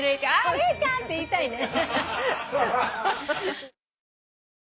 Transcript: レイちゃん！って言いたいね。